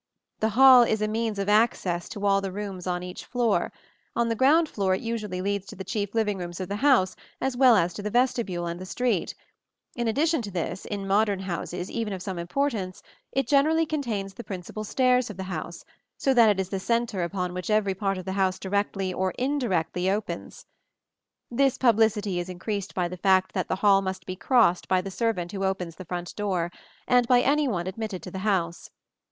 The hall is a means of access to all the rooms on each floor; on the ground floor it usually leads to the chief living rooms of the house as well as to the vestibule and street; in addition to this, in modern houses even of some importance it generally contains the principal stairs of the house, so that it is the centre upon which every part of the house directly or indirectly opens. This publicity is increased by the fact that the hall must be crossed by the servant who opens the front door, and by any one admitted to the house.